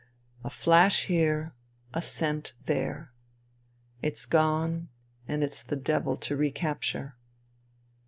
A flash here ; a scent there. It's gone, and it's the devil to recapture.